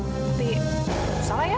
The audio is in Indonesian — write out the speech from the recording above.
tapi salah ya